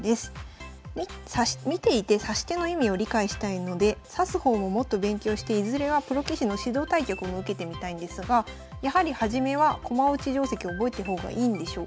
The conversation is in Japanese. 「見ていて指し手の意味を理解したいので指す方ももっと勉強していずれはプロ棋士の指導対局も受けてみたいんですがやはり初めは駒落ち定跡を覚えた方がいいんでしょうか？